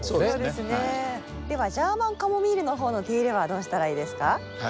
ではジャーマンカモミールの方の手入れはどうしたらいいですか？